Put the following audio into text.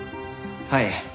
はい。